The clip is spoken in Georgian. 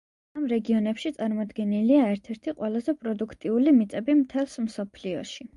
ამ რეგიონებში წარმოდგენილია ერთ-ერთი ყველაზე პროდუქტიული მიწები მთელს მსოფლიოში.